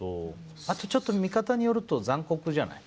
あとちょっと見方によると残酷じゃない？